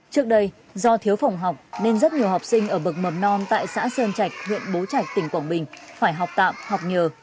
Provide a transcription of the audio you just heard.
trước đây do thiếu phòng học nên rất nhiều học sinh ở bậc mầm non tại xã sơn trạch huyện bố trạch tỉnh quảng bình phải học tạm học nhờ